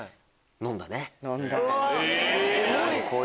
飲んだね。